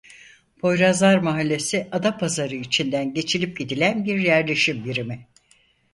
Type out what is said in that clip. Poyrazlar mahallesi Adapazarı içinden geçilip gidilen bir yerleşim birimi.